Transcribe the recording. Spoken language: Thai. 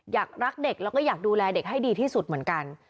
อยากรักเด็กแล้วก็อยากดูแลเด็กให้ดีที่สุดเหมือนกัน